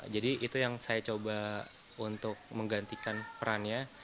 jadi itu yang saya coba untuk menggantikan perannya